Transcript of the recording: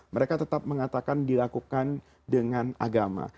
mereka tetap mengatakan dilakukan dengan agama